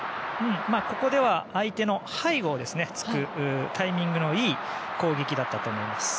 ここでは相手の背後を突くタイミングのいい攻撃だったと思います。